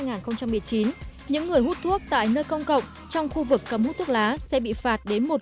những người hút thuốc tại nơi công cộng trong khu vực cấm hút thuốc lá sẽ bị phạt đến một